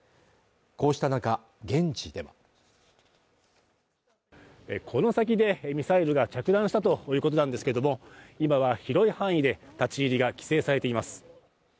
こうした中現地ではこの先でミサイルが着弾したということなんですけれども今は広い範囲で立ち入りが規制されています